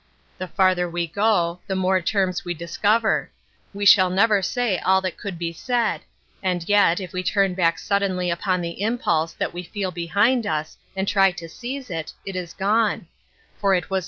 The farther we go, the more terms we dis cover; we shall never say all that could be said, and yet, if we turn back suddenly upon the impulse that we feel behind uSi^ and try to seize it, it is gone; for it ^s&.